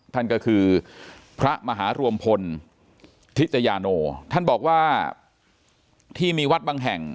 ท่านก็คือพระมหารวมพลทิตยาโนท่านบอกว่าที่มีวัดบางแห่ง